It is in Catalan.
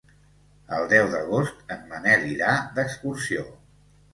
El deu d'agost en Manel irà d'excursió.